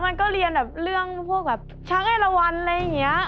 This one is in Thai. มันก็เรียนแบบเรื่องพวกชะละวันอะไรอย่างนี้